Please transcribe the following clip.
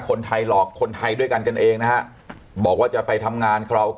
คนไทยหลอกคนไทยด้วยกันกันเองนะฮะบอกว่าจะไปทำงานคราว